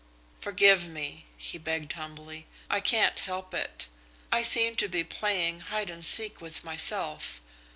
"Forgive me," he begged humbly. "I can't help it. I seem to be playing hide and seek with myself.